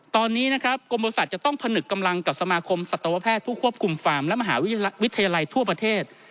ตอนนี้นะครับกรมบริษัทจะต้องผนึกกำลังกับสมาคมสัตวแพทย์ผู้ควบคุมฟาร์มและมหาวิทยาลัยทั่วประเทศ